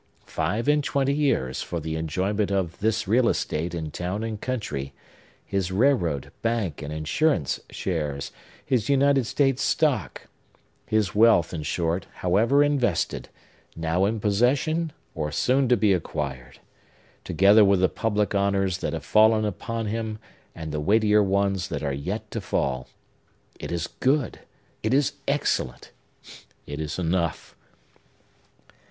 Five and twenty years for the enjoyment of his real estate in town and country, his railroad, bank, and insurance shares, his United States stock,—his wealth, in short, however invested, now in possession, or soon to be acquired; together with the public honors that have fallen upon him, and the weightier ones that are yet to fall! It is good! It is excellent! It is enough!